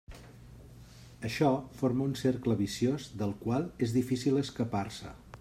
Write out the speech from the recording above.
Això forma un cercle viciós del qual és difícil escapar-se.